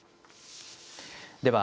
では